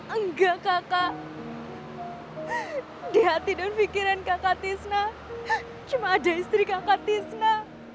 enggak kakak di hati dan pikiran kakak tisna cuma ada istri kakak tisna